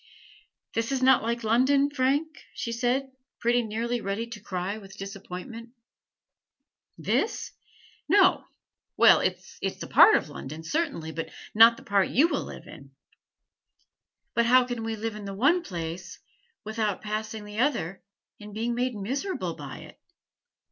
"This is not like London, Frank?" she said, pretty nearly ready to cry with disappointment. "This? No. Well, it is like a part of London, certainly, but not the part you will live in." "But how can we live in the one place without passing the other and being made miserable by it?